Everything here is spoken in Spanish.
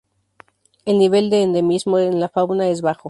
El nivel de endemismo en la fauna es bajo.